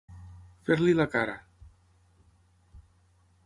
Fer-li la cara.